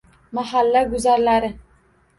Mahalla guzarlari